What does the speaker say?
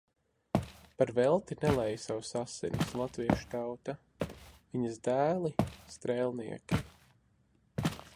Par velti nelēja savas asinis latviešu tauta, viņas dēli strēlnieki.